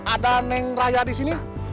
ada neng raya disini